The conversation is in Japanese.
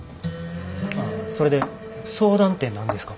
ああそれで相談て何ですか？